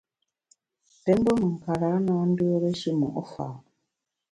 Pé mgbom me nkarâ na ndùere shimo’ fa’.